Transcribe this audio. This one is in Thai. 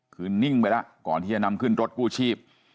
คือนิ่งไปแล้วก่อนที่จะนำขึ้นรถกู้ชีพ